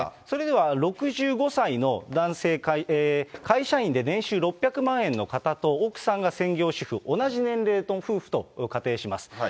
それでは６５歳の男性会社員で年収６００万円の方と奥さんが専業主婦、同じ年齢の夫婦と仮定します。